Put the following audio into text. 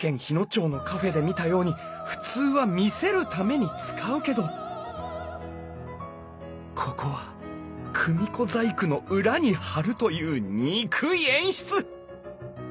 町のカフェで見たように普通は見せるために使うけどここは組子細工の裏に張るという憎い演出！